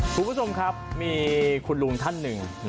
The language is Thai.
คุณผู้ชมครับมีคุณลุงท่านหนึ่ง